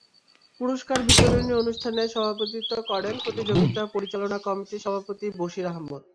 পুরস্কার বিতরণী অনুষ্ঠানে সভাপতিত্ব করেন প্রতিযোগিতা পরিচালনা কমিটির সভাপতি বশির আহমেদ।